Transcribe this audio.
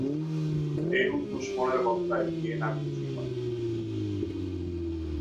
এরূপ দুশমনের হত্যায় কে না খুশী হয়?